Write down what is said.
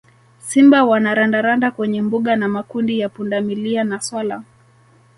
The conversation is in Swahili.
Simba wana randaranda kwenye mbuga na makundi ya pundamilia na swala